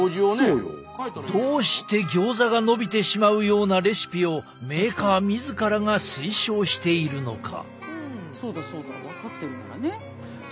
どうしてギョーザがのびてしまうようなレシピをメーカー自らが推奨しているのか。